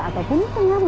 ataupun tengah menyimpul